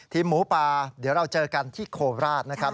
หมูป่าเดี๋ยวเราเจอกันที่โคราชนะครับ